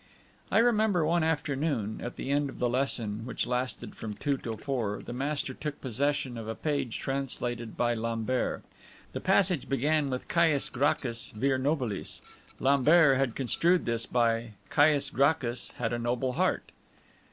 I remember one afternoon, at the end of the lesson, which lasted from two till four, the master took possession of a page of translation by Lambert. The passage began with Caius Gracchus, vir nobilis; Lambert had construed this by "Caius Gracchus had a noble heart."